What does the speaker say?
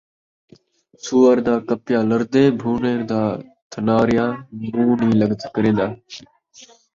سوّر دا کپیا لڑدے ، بھون٘ڈݨ دا تھناریا مون٘ہہ نئیں کرین٘دا